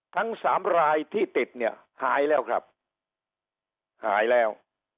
ทั้งสามรายที่ติดเนี่ยหายแล้วครับหายแล้ว